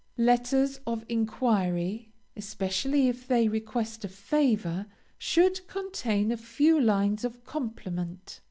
LETTERS OF ENQUIRY, especially if they request a favor, should contain a few lines of compliment.